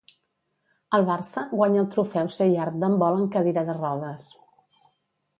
El Barça guanya el Trofeu Seyart d'handbol en cadira de rodes.